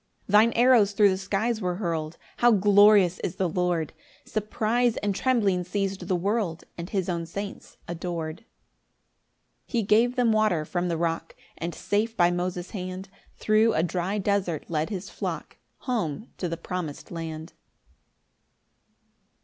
9 Thine arrows thro' the skies were hurl'd; How glorious is the Lord! Surprise and trembling seiz'd the world, And his own saints ador'd. 10 He gave them water from the rock; And safe by Moses' hand Thro' a dry desert led his flock Home to the promis'd land.